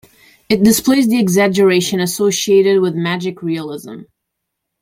It displays the exaggeration associated with magic realism.